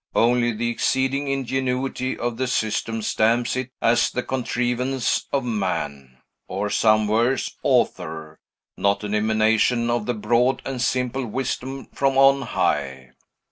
Only the exceeding ingenuity of the system stamps it as the contrivance of man, or some worse author; not an emanation of the broad and simple wisdom from on high."